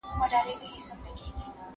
زه اوس لوبه کوم؟!